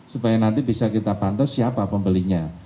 supaya nanti bisa kita pantau siapa pembelinya